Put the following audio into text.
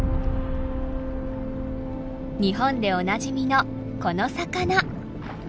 日本でおなじみのこの魚。